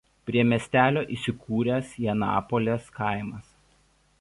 Prie miestelio įsikūręs Janapolės kaimas.